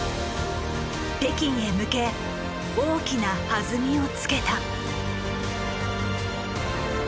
北京へ向け大きな弾みをつけた。